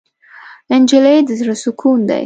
نجلۍ د زړه سکون دی.